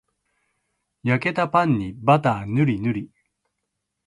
焼けたパンにバターぬりぬり